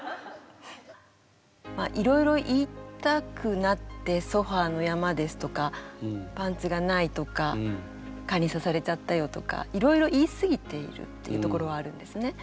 いろいろ言いたくなって「ソファーの山」ですとかパンツがないとか蚊にさされちゃったよとかいろいろ言いすぎているっていうところはあるんですね。